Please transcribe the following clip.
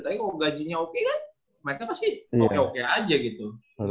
tapi kalau gajinya oke kan mereka pasti oke oke aja gitu